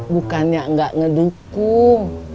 bukannya enggak ngedukung